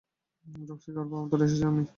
Roxie, খবর পাওয়ামাত্র এসেছি আমি।